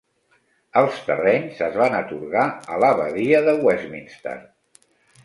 Els terrenys es van atorgar a l'abadia de Westminster.